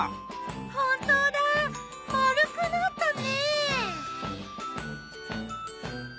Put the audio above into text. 本当だ丸くなったね。